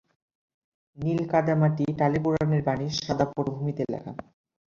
নীল কাদামাটি টালি কুরআনের বাণী সাদা পটভূমিতে লেখা।